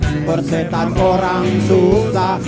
aku menang bersihkan orang susah